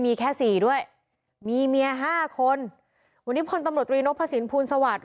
มีแค่๔ด้วยมีเมีย๕คนวันนี้พลตำรวจรีนกพระสินภูมิสวัสดิ์